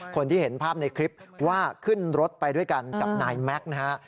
คนที่เห็นภาพในคลิปว่าขึ้นรถไปด้วยกันกับนายแม็กซ์นะฮะ